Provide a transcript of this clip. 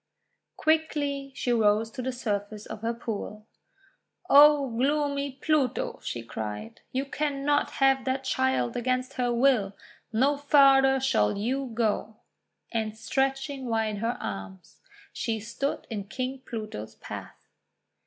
Quickly she rose to the surface of her pool. :<O gloomy Pluto," she cried, :<y°u cannot have that child against her will! No farther shall you go." And stretching wide her arms, she stood in King Pluto's path.